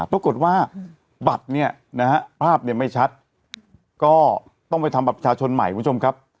ปรากฏว่าบัตรเนี่ยนะฮะภาพเนี่ยไม่ชัดก็ต้องไปทำบัตรประชาชนใหม่คุณผู้ชมครับ